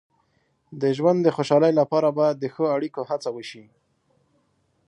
د ژوند د خوشحالۍ لپاره باید د ښو اړیکو هڅه وشي.